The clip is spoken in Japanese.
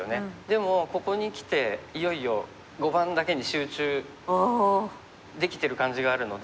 でもここにきていよいよ碁盤だけに集中できてる感じがあるので。